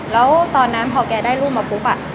แล้วตอนนั้นพอแกได้รูปมาปุ๊บ